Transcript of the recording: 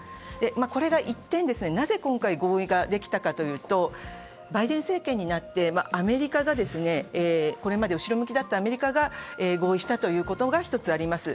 これが一転、なぜ今回合意ができたかというと、バイデン政権になって、これまで後ろ向きだったアメリカが合意したということが１つあります。